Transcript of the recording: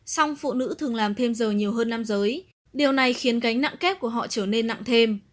song phụ nữ thường làm thêm giờ nhiều hơn nam giới điều này khiến gánh nặng kép của họ trở nên nặng thêm